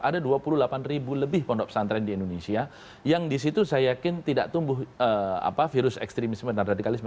ada dua puluh delapan ribu lebih pondok pesantren di indonesia yang disitu saya yakin tidak tumbuh virus ekstremisme dan radikalisme